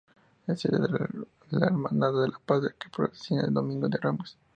Es sede de la Hermandad de la Paz, que procesiona el Domingo de Ramos.